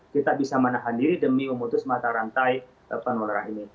kita bisa menahan diri demi memutus mata rantai penularan ini